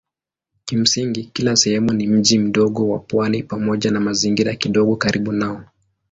Kimsingi kila sehemu ni mji mdogo wa pwani pamoja na mazingira kidogo karibu nao.